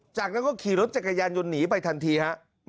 จากนั้นก็ขี่รถจักรยานยนต์หนีไปทันทีฮะ